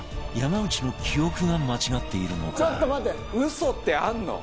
「嘘ってあるの？」